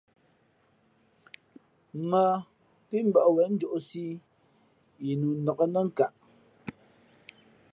Mᾱ pí mbᾱʼ wěn njōʼsī ī yi nu nǎk nά nkaʼ.